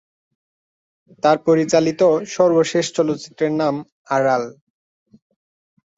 তার পরিচালিত সর্বশেষ চলচ্চিত্রের নাম "আড়াল"।